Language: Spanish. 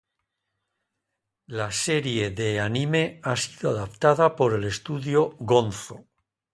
La serie de Anime ha sido adaptada por el estudio Gonzo.